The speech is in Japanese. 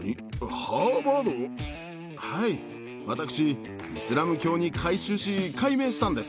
はい、私、イスラム教に改宗し、改名したんです。